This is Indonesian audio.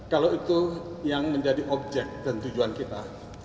kalau itu yang menjadi objek dan tujuan kita